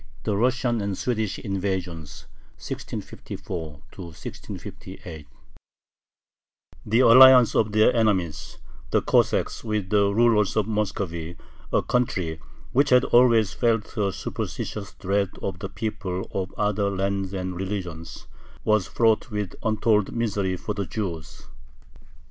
3. THE RUSSIAN AND SWEDISH INVASIONS (1654 1658) The alliance of their enemies, the Cossacks, with the rulers of Muscovy, a country which had always felt a superstitious dread of the people of other lands and religions, was fraught with untold misery for the Jews.